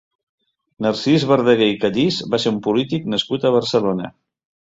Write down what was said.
Narcís Verdaguer i Callís va ser un polític nascut a Barcelona.